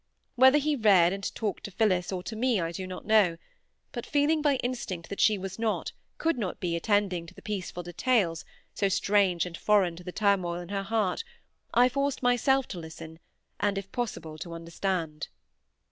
Whether he read and talked to Phillis, or to me, I do not know; but feeling by instinct that she was not, could not be, attending to the peaceful details, so strange and foreign to the turmoil in her heart, I forced myself to listen, and if possible to understand.